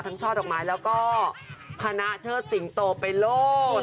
ช่อดอกไม้แล้วก็คณะเชิดสิงโตไปโลด